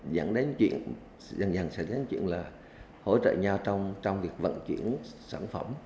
dẫn đến chuyện dần dần sẽ đến chuyện là hỗ trợ nhau trong việc vận chuyển sản phẩm